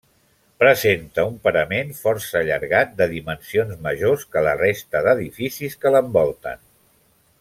Presenta un parament força allargat, de dimensions majors que la resta d'edificis que l'envolten.